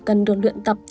cần được luyện tập